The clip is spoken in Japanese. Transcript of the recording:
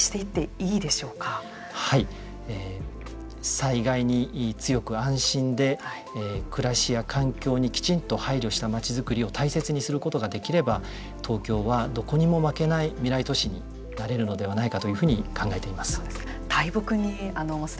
災害に強く、安心で暮らしや環境にきちんと配慮した街づくりを大切にすることができれば、東京はどこにも負けない未来都市になれるのではないかというふうに考えています。